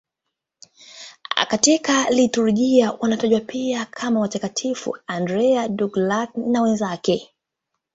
Katika liturujia wanatajwa pia kama Watakatifu Andrea Dũng-Lạc na wenzake.